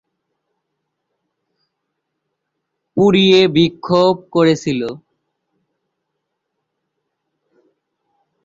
পুড়িয়ে বিক্ষোভ করেছিল।